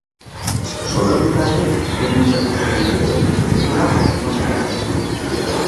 Zoratuta ere, ez nintzateke mediterraneoko berora joango.